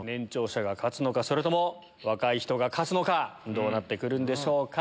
どうなってくるんでしょうか？